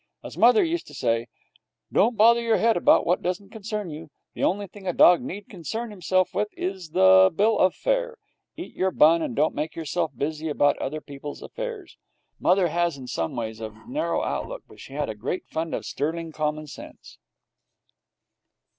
As mother used to say, 'Don't bother your head about what doesn't concern you. The only thing a dog need concern himself with is the bill of fare. Eat your bun, and don't make yourself busy about other people's affairs.' Mother's was in some ways a narrow outlook, but she had a great fund of sterling common sense.